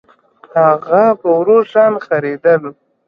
هغه په ورو شان خرېدل